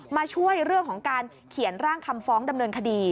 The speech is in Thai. มาช่วยเรื่องของการเขียนร่างคำฟ้องดำเนินคดี